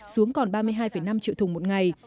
xuống còn ba mươi hai năm triệu thùng một ngày